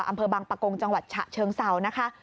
อำเภอบังปะกงจังหวัดฉะเชิงเซานะคะ